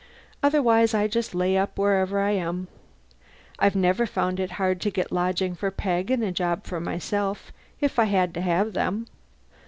Otherwise, I just lay up wherever I am. I've never found it hard to get lodging for Peg and a job for myself, if I had to have them.